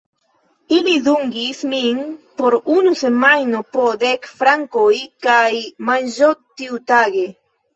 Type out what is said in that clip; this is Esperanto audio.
Ili dungis min por unu semajno, po dek frankoj kaj manĝo ĉiutage.